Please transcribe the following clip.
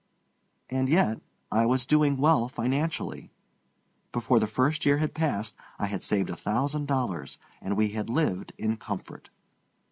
And yet I was doing well financially. Before the first year had passed I had saved a thousand dollars, and we had lived in comfort.